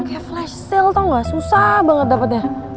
kayak flash sale tau ga susah banget dapetnya